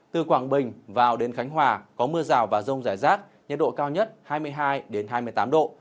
từ quảng bình vào đến khánh hòa có mưa rào và rông rải rác nhiệt độ cao nhất hai mươi hai hai mươi tám độ